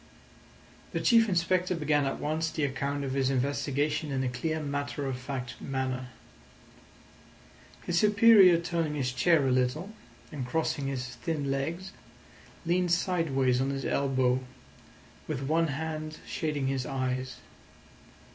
The Chief Inspector began at once the account of his investigation in a clear matter of fact manner. His superior turning his chair a little, and crossing his thin legs, leaned sideways on his elbow, with one hand shading his eyes.